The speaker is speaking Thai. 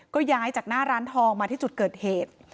ก็ย้ายจากหน้าร้านทองมาที่จุดเกิดเหตุ